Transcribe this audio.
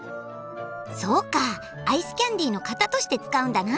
そうかアイスキャンディーのかたとしてつかうんだな。